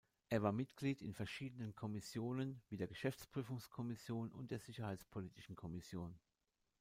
Er war Mitglied in verschiedenen Kommissionen wie der Geschäftsprüfungskommission und der Sicherheitspolitischen Kommission.